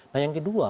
nah yang kedua